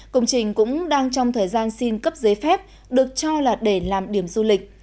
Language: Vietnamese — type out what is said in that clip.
công trình cũng đang trong thời gian xin cấp giấy phép được cho là để làm điểm du lịch